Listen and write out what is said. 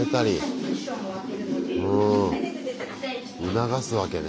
促すわけね。